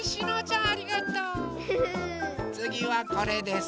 つぎはこれです。